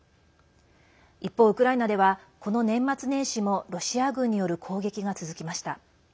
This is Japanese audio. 一方、ウクライナではこの年末年始もロシア軍による攻撃が続きました。